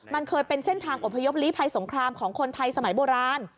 มันเคยเป็นเส้นทางอพยพลีภัยสงครามของคนไทยสมัยโบราณ